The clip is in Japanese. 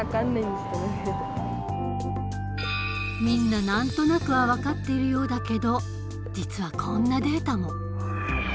みんな何となくは分かっているようだけど実はこんなデータも。